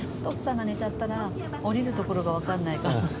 徳さんが寝ちゃったら降りるところがわからないから。